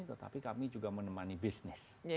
tetapi kami juga menemani bisnis